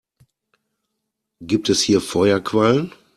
Gibt es hier Feuerquallen?